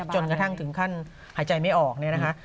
จนกระทั่งถึงขั้นหายใจไม่ออกเนี่ยนะคะ